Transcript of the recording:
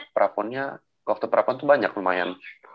perakonnya waktu perakon tuh banyak lumayan